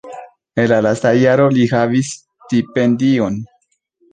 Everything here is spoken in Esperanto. En la lasta jaro li havis stipendion.